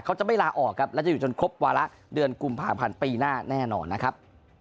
เขาจะไม่ลาออกครับและจะอยู่จนครบวาระเดือนกุมภาพันธ์ปีหน้าแน่นอนนะครับ